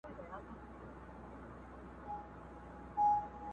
اورنګ زېب ویل پر ما یو نصیحت دی؛